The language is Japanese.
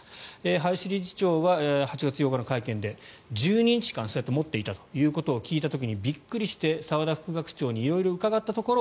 林理事長は８月８日の会見で１２日間そうやって持っていたということを聞いた時にびっくりして澤田副学長に色々伺ったところ